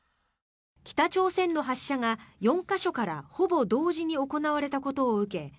北朝鮮の発射が４か所からほぼ同時に行われたことを受け